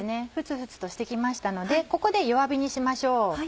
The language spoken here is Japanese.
沸々として来ましたのでここで弱火にしましょう。